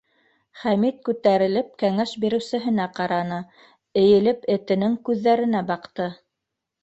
Хәмит күтәрелеп кәңәш биреүсеһенә ҡараны, эйелеп этенең күҙҙәренә баҡты.